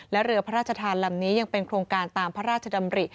และเรือพระราชทานลำนี้ยังเป็นโครงการตามพระราชดำริ